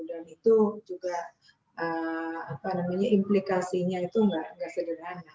dan itu juga implikasinya itu nggak sederhana